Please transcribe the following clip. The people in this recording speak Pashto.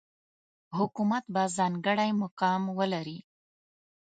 حکومت به ځانګړی مقام ولري.